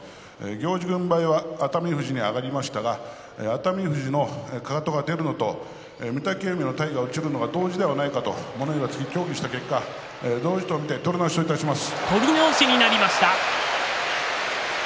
行司軍配は熱海富士に上がりましたが熱海富士のかかとが出るのと御嶽海の体が落ちるのが同時ではないのかと物言いがつき協議した結果、同時と見て取り直しといたします。